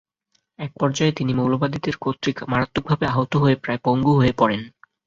এক পর্যায়ে তিনি মৌলবাদীদের কর্তৃক মারাত্মকভাবে আহত হয়ে প্রায় পঙ্গু হয়ে পড়েন।